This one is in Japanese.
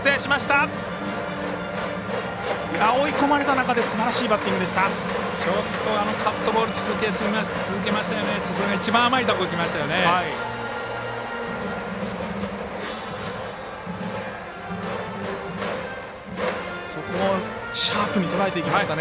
一番甘いところにいきました。